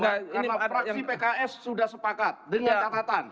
praksi pks sudah sepakat dengan catatan